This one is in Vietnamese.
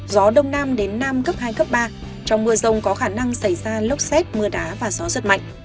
gió đông nam đến nam cấp hai cấp ba trong mưa rông có khả năng xảy ra lốc xét mưa đá và gió giật mạnh